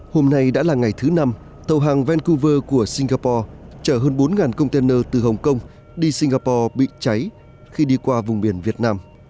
hôm nay đã là ngày thứ năm tàu hàng venuver của singapore chở hơn bốn container từ hồng kông đi singapore bị cháy khi đi qua vùng biển việt nam